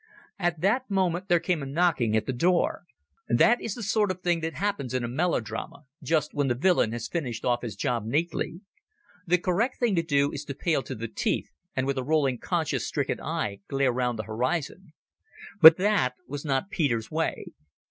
At that moment there came a knocking at the door. That is the sort of thing that happens in melodrama, just when the villain has finished off his job neatly. The correct thing to do is to pale to the teeth, and with a rolling, conscience stricken eye glare round the horizon. But that was not Peter's way.